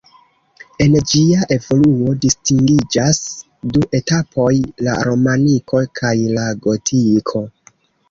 En ĝia evoluo distingiĝas du etapoj: la romaniko kaj la gotiko.